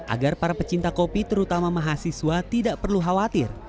agar para pecinta kopi terutama mahasiswa tidak perlu khawatir